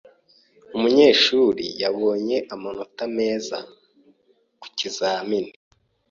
Umunyeshuri yabonye amanota meza ku kizamini.